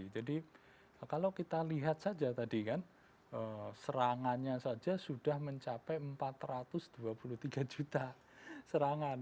jadi kalau kita lihat saja tadi kan serangannya saja sudah mencapai empat ratus dua puluh tiga juta serangan